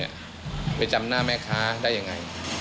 เราเลยไปตามหาหมาให้ด้วยนะ